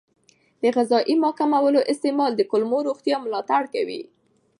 د غذایي ماکملونو استعمال د کولمو روغتیا ملاتړ کوي.